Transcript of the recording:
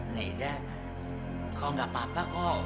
naida kalau gak apa apa kok